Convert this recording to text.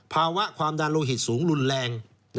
ภาวะความดันโลหิตสูงรุนแรง